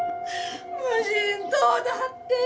無人島だって。